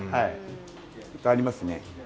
結構ありますね。